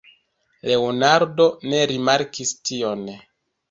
Leonardo ne rimarkis tion.